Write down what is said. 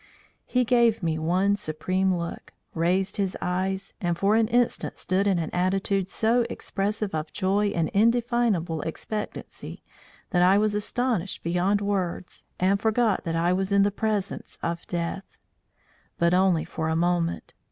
He gave me one supreme look, raised his eyes, and for an instant stood in an attitude so expressive of joy and indefinable expectancy that I was astonished beyond words and forgot that I was in the presence of death. But only for a moment.